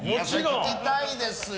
聞きたいですよ。